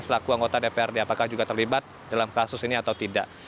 selaku anggota dprd apakah juga terlibat dalam kasus ini atau tidak